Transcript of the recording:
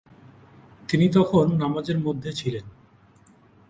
তিনি তখন নামাজের মধ্যে ছিলেন।